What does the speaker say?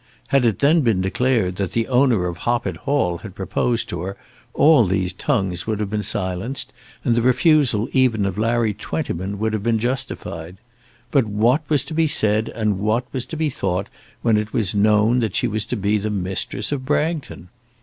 Had it then been declared that the owner of Hoppet Hall had proposed to her, all these tongues would have been silenced, and the refusal even of Larry Twentyman would have been justified. But what was to be said and what was to be thought when it was known that she was to be the mistress of Bragton?